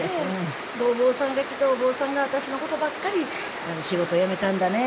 お坊さんが来てお坊さんが私の事ばっかり「仕事辞めたんだね。